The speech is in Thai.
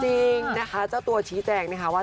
จริงนะคะเจ้าตัวชี้แจงนะคะว่า